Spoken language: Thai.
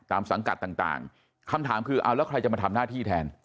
สังกัดต่างคำถามคือเอาแล้วใครจะมาทำหน้าที่แทน